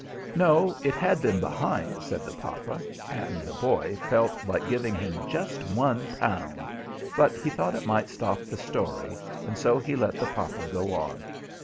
"No; it had them behind," said the papa; and the boy felt like giving him just one pound; but he thought it might stop the story, and so he let the papa go on.